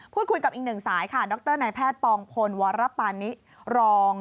คุยกับอีกหนึ่งสายค่ะดรนายแพทย์ปองพลวรปานิรอง